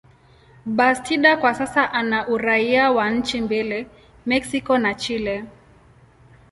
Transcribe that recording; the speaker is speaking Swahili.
Bastida kwa sasa ana uraia wa nchi mbili, Mexico na Chile.